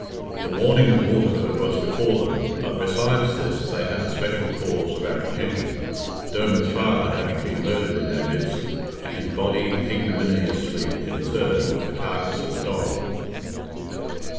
The warning of Waterford was before them, but besides this they had a special cause of apprehension, Dermid's father having been murdered in their midst, and his body ignominiously interred with the carcase of a dog.